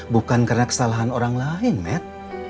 bukan karena kesalahan orang lain med